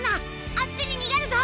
あっちににげるぞ！